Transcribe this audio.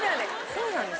そうなんです。